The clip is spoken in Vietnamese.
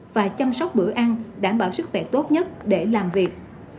và chăm sóc bữa ăn đảm bảo sức khỏe tốt nhất để làm việc